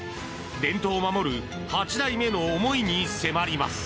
伝統を守る８代目の思いに迫ります。